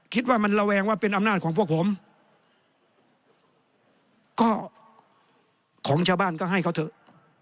คิดว่ามันระแวงว่าเป็นอำนาจของพวกผมก็ของชาวบ้านก็ให้เขาเถอะ